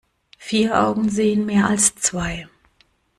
Vier Augen sehen mehr als zwei.